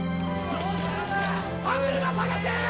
歯車探せ！